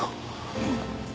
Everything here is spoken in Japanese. うん。